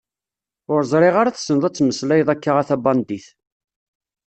Ur ẓriɣ ara tesneḍ ad temmeslayeḍ akka a tabandit.